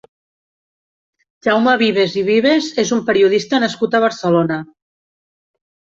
Jaume Vives i Vives és un periodista nascut a Barcelona.